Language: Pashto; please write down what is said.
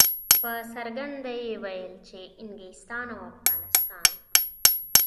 په څرګنده یې ویل چې انګلستان او افغانستان.